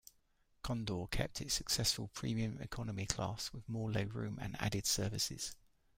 Condor kept its successful Premium Economy Class with more legroom and added services.